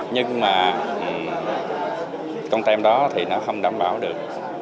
nhưng mà content đó thì nó không đảm bảo được